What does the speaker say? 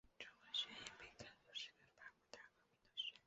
这份宣言被看作是对法国大革命的宣战书。